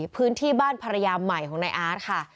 พื้นที่บ้านภรรยาใหม่ของนายอาร์ตค่ะ